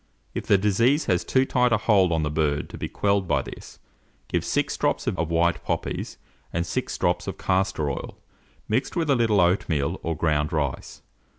If the disease has too tight a hold on the bird to be quelled by this, give six drops of syrup of white poppies and six drops of castor oil, mixed with a little oatmeal or ground rice.